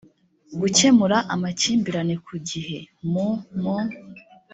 gukemura amakimbirane ku gihe mu mu